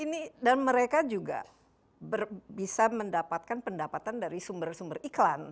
ini dan mereka juga bisa mendapatkan pendapatan dari sumber sumber iklan